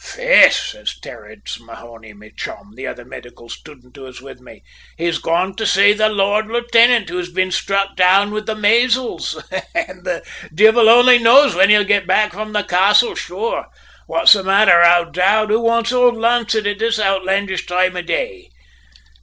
"`Faix,' says Terence Mahony, my chum, the other medical studint who was with me. `He's gone to say the Lord Lieutenant, who's been struck down with the maysles, an' the divvle only knows whin he'll get back from the castle, sure! What's the matter, O'Dowd? Who wants ould Lancett at this outlandish toime of day?'